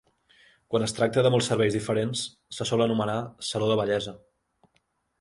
Quan es tracta de molts serveis diferents se sol anomenar saló de bellesa.